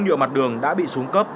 nhựa mặt đường đã bị xuống cấp